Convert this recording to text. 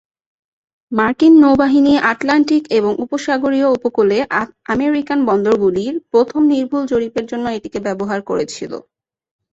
মার্কিন নৌবাহিনী আটলান্টিক এবং উপসাগরীয় উপকূলে আমেরিকান বন্দরগুলির প্রথম নির্ভুল জরিপের জন্য এটিকে ব্যবহার করেছিল।